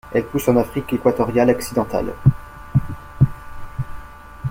Elle pousse en Afrique équatoriale occidentale.